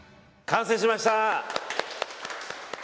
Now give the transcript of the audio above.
完成しました！